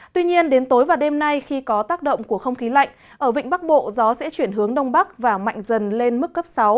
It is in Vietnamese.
tuy nhiên đến tối và đêm nay khi có tác động của không khí lạnh ở vịnh bắc bộ gió sẽ chuyển hướng đông bắc và mạnh dần lên mức cấp sáu